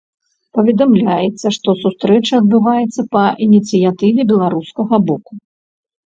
Паведамляецца, што сустрэча адбываецца па ініцыятыве беларускага боку.